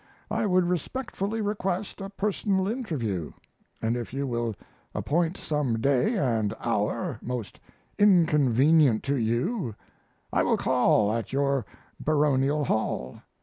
I would respectfully request a personal interview, and if you will appoint some day and hour most inconvenient to you I will call at your baronial hall.